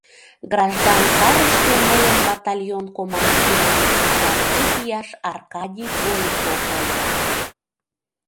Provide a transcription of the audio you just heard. Граждан сарыште мыйын батальон командирем латкуд ияш Аркадий Голиков ыле.